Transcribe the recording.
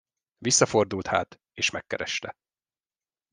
Visszafordult hát, és megkereste.